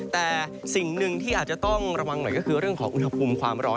แต่สิ่งหนึ่งที่อาจจะต้องระวังหน่อยก็คือเรื่องของอุณหภูมิความร้อน